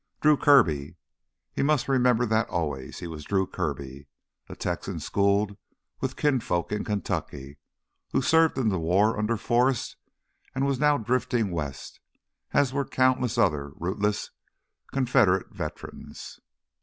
"Drew Kirby." He must remember that always—he was Drew Kirby, a Texan schooled with kinfolk in Kentucky, who served in the war under Forrest and was now drifting west, as were countless other rootless Confederate veterans.